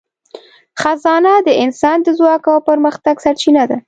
خزانه د انسان د ځواک او پرمختګ سرچینه ده.